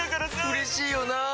うれしいよなぁ。